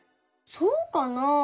そうかな？